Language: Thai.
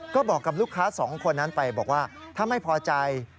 ก็บอกกับลูกค้าสองคนนั้นไปบอกว่าถ้าไม่พอใจ